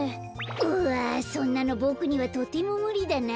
うわそんなのボクにはとてもむりだな。